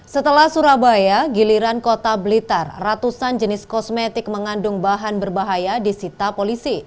setelah surabaya giliran kota blitar ratusan jenis kosmetik mengandung bahan berbahaya disita polisi